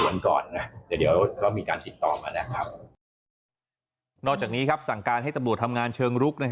นอกจากนี้ครับสั่งการให้ตำรวจทำงานเชิงรุก